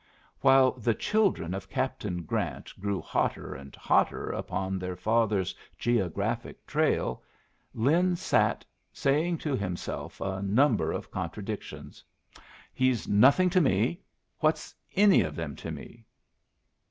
While the children of Captain Grant grew hotter and hotter upon their father's geographic trail, Lin sat saying to himself a number of contradictions. "He's nothing to me; what's any of them to me?"